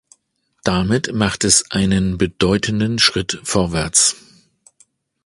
Damit macht es einen bedeutenden Schritt vorwärts.